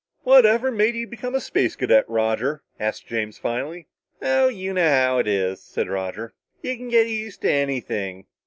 "Whatever made you become a Space Cadet, Roger?" asked James finally. "Oh, you know how it is," said Roger. "You can get used to anything."